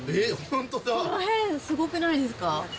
この辺、すごくないですか。